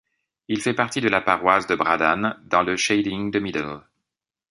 Il fait partie de la paroisse de Braddan, dans le sheading de Middle.